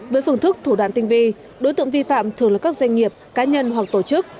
với phương thức thủ đoàn tinh vi đối tượng vi phạm thường là các doanh nghiệp cá nhân hoặc tổ chức